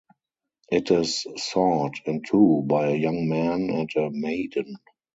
It is sawed in two by a young man and a maiden.